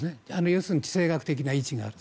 要するに地政学的な位置がある。